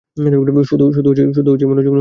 শুধু মনোযোগ নষ্ট করছি।